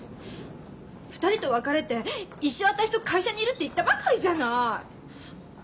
２人と別れて一生私と会社にいるって言ったばかりじゃない！